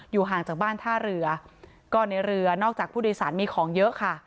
ห่างจากบ้านท่าเรือก็ในเรือนอกจากผู้โดยสารมีของเยอะค่ะ